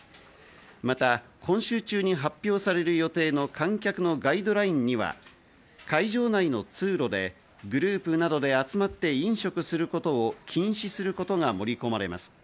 また今週中に発表される予定の観客のガイドラインには、会場内の通路でグループなどで集まって飲食することを禁止することが盛り込まれます。